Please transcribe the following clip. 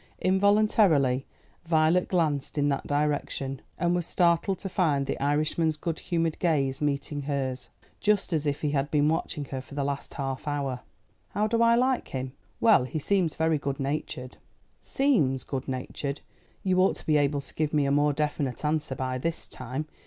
Involuntarily Violet glanced in that direction, and was startled to find the Irishman's good humoured gaze meeting hers, just as if he had been watching her for the last half hour. "How do I like him? Well, he seems very good natured." "Seems good natured. You ought to be able to give me a more definite answer by this time.